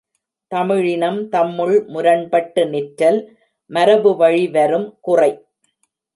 தமிழினம் தம்முள் முரண்பட்டு நிற்றல் மரபுவழி வரும் குறை.